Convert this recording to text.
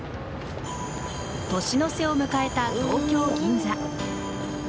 年の瀬を迎えた東京・銀座。